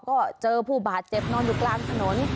ก็เจอผู้บาดเจ็บนอนอยู่กลางถนน